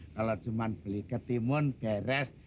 kalau cuma beli ketimun beres